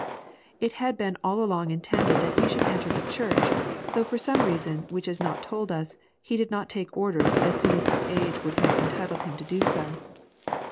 It had been all along intended that he should enter the Church, though for some reason which is not told us, he did not take orders as soon as his age would have entitled him to do so.